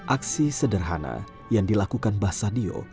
aksi sederhana yang dilakukan mbah sadio